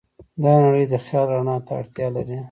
دا نړۍ د خیال رڼا ته اړتیا لري.